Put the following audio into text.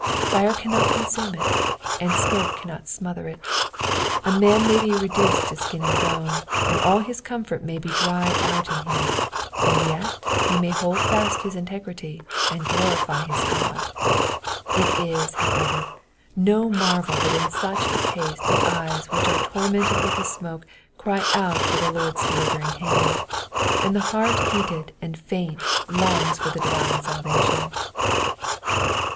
Fire cannot consume it, and smoke cannot smother it. A man may be reduced to skin and bone, and all his comfort may be dried out of him, and yet he may hold fast his integrity and glorify his God. It is, however, no marvel that in such a case the eyes which are tormented with the smoke cry out for the Lord's delivering hand, and the heart heated and faint longs for the divine salvation. 84.